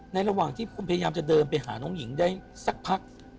ระหว่างที่คุณพยายามจะเดินไปหาน้องหญิงได้สักพัก